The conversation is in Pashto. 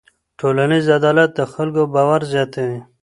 ټولنیز عدالت د خلکو باور زیاتوي.